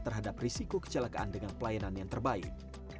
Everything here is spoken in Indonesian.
terhadap risiko kecelakaan dengan pelayanan yang terbaik